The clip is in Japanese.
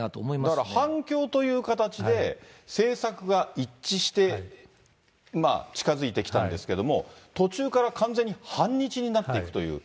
だから反共という形で、政策が一致して近づいてきたんですけれども、途中から完全に反日になっていくという。